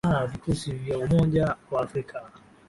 aa vikosi vya umoja wa afrika